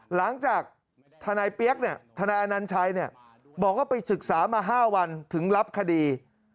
หลังจากทนายเปี๊ยกทนายอนัญชัยบอกว่าไปศึกษามา๕วันถึงรับคดี